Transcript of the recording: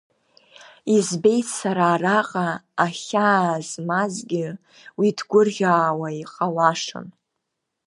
Избеит сара араҟа ахьаа змазгьы, уи ҭгәырӷьаауа иҟалашан…